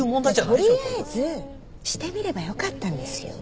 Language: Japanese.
取りあえずしてみればよかったんですよ。